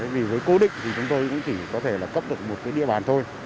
vì với cố định thì chúng tôi cũng chỉ có thể là cấp được một cái địa bàn thôi